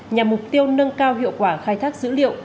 nhằm mục tiêu nâng cao hiệu quả khai thác dữ liệu